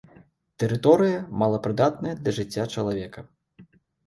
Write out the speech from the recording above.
Тэрыторыя малапрыдатная для жыцця чалавека.